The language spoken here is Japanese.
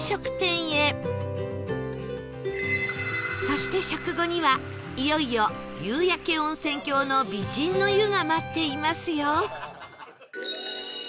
そして食後にはいよいよ夕焼け温泉郷の美人の湯が待っていますよ